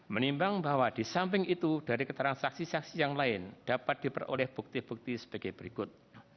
menimbang bahwa di samping itu dari keterangan saksi saksi yang lain dapat diperoleh bukti bukti sebagai berikut